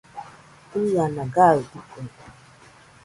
ɨana gaɨdɨkue